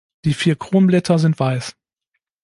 Die vier Kronblätter sind weiß.